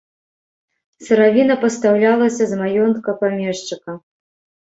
Сыравіна пастаўлялася з маёнтка памешчыка.